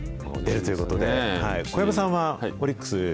小籔さんはオリックス？